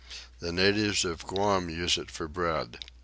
The natives of Guam use it for bread.